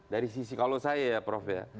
dari sisi kalau saya ya prof ya